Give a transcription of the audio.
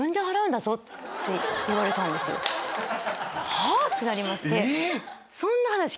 はぁ⁉ってなりまして。